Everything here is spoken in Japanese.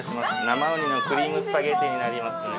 生うにのクリームスパゲティになりますね